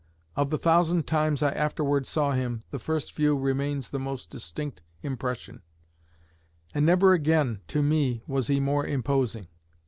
Of the thousand times I afterward saw him, the first view remains the most distinct impression; and never again to me was he more imposing.